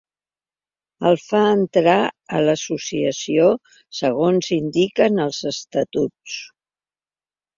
El fa entrar a l'associació segons indiquen els estatuts.